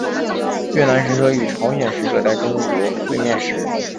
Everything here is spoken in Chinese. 越南使者与朝鲜使者在中国会面时。